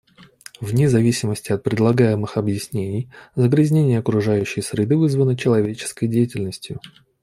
Вне зависимости от предлагаемых объяснений, загрязнение окружающей среды вызвано человеческой деятельностью.